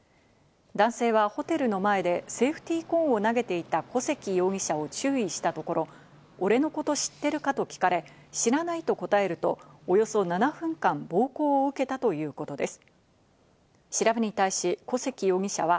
男性はホテルの前でセーフティーコーンを投げていた古関容疑者を注意したところ、俺のこと知ってるかと聞かれ、知らないと答えると、およそ７分間、暴行を受けたということです。